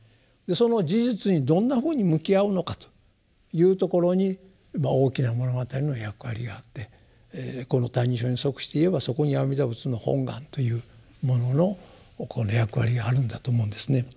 その事実にどんなふうに向き合うのかというところにまあ大きな物語の役割があってこの「歎異抄」に即して言えばそこに阿弥陀仏の本願というもののこの役割があるんだと思うんですね。